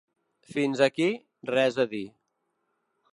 Fins aquí, res a dir.